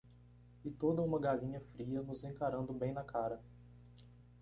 E toda uma galinha fria nos encarando bem na cara.